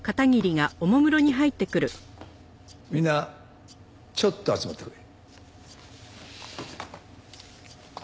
みんなちょっと集まってくれ。